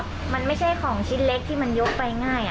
ก็มันใหญ่กว่ามันชิ้นเล็กไม่ได้ยกไปง่าย